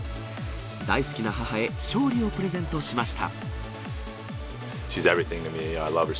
大好きな母へ、勝利をプレゼントしました。